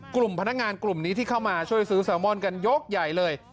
กลุ่มพนักงานกลุ่มนี้ที่เข้ามาช่วยซื้อแซลมอนกันยกใหญ่เลย